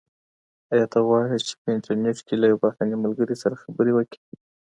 ایا ته غواړې چي په انټرنیټ کي له یو بهرني ملګري سره خبرې وکړې؟